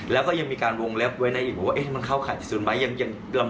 แล้วก็ยังมีการวงเล็บไว้ในอีกบอกว่ามันเข้าข่ายที่สุดไหม